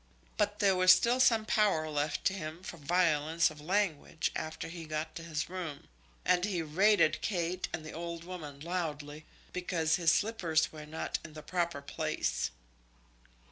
But there was still some power left to him for violence of language after he got to his room, and he rated Kate and the old woman loudly, because his slippers were not in the proper place.